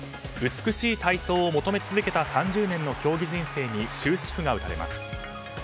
美しい体操を求め続けた３０年の競技人生に終止符が打たれます。